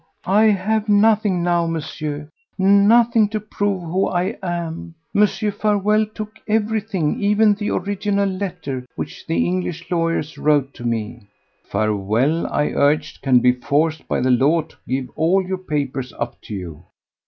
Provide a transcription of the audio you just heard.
I have nothing now, Monsieur—nothing to prove who I am! Mr. Farewell took everything, even the original letter which the English lawyers wrote to me." "Farewell," I urged, "can be forced by the law to give all your papers up to you."